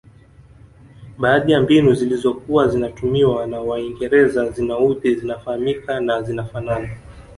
Baadhi ya mbinu zilizokuwa zinatumiwa na waingereza zinaudhi zinafahamika na zinafanana